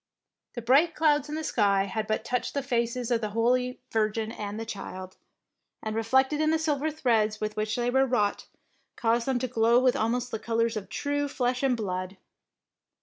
The bright clouds in the sky had but touched the faces of the Holy Virgin and the Child, and reflected in the silver threads with which they were wrought, caused them to glow with almost the colours of true flesh and blood.